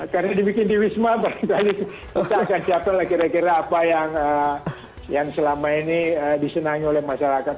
karena dibikin di wisma kira kira apa yang selama ini disenangi oleh masyarakat